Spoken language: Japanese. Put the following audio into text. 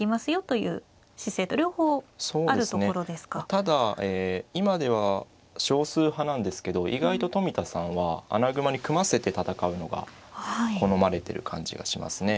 ただ今では少数派なんですけど意外と冨田さんは穴熊に組ませて戦うのが好まれてる感じがしますね。